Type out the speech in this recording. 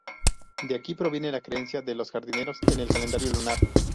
De aquí proviene la creencia de los jardineros en el calendario lunar.